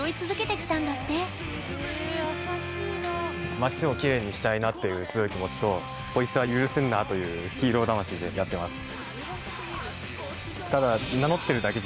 街をキレイにしたいなっていう強い気持ちとポイ捨ては許せんなぁというヒーロー魂でやってます。